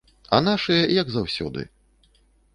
А нашыя як заўсёды.